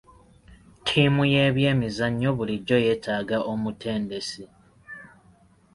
Ttiimu y'ebyemizannyo bulijjo yeetaaga omutendesi.